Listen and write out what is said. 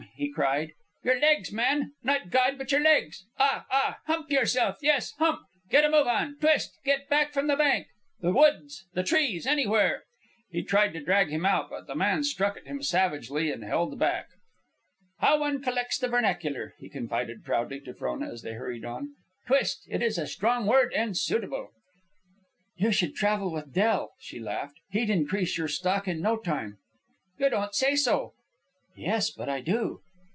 he cried. "Your legs, man! not God, but your legs! Ah! ah! hump yourself! Yes, hump! Get a move on! Twist! Get back from the bank! The woods, the trees, anywhere!" He tried to drag him out, but the man struck at him savagely and held back. "How one collects the vernacular," he confided proudly to Frona as they hurried on. "Twist! It is a strong word, and suitable." "You should travel with Del," she laughed. "He'd increase your stock in no time." "You don't say so." "Yes, but I do."